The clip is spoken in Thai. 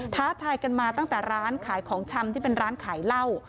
ท้าทายกันมาตั้งแต่ร้านขายของชำที่เป็นร้านขายเหล้า